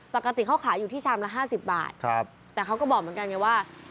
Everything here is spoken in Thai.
ปกติเขาขายอยู่ที่ชามละ๕๐บาทแต่เขาก็บอกเหมือนกันไงว่า